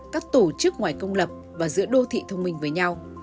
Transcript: các tổ chức ngoài công lập và giữa đô thị thông minh với nhau